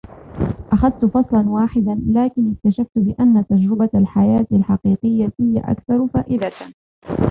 اخذت فصلاً واحداً, لكن اكتشفت بان تجربة الحياة الحقيقة هي اكثر فائدة.